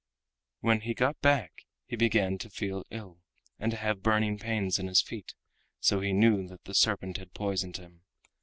When he got back he began to feel ill and to have burning pains in his feet, so he knew that the serpent had poisoned him.